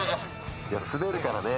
滑るからね。